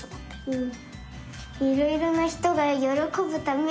うん。